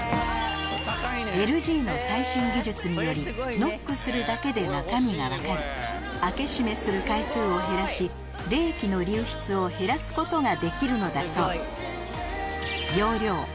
ＬＧの最新技術によりノックするだけで中身が分かり開け閉めする回数を減らし冷気の流出を減らすことができるのだそう